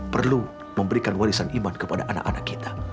perlu memberikan warisan iman kepada anak anak kita